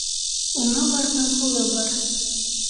Уңы барҙың һулы бар.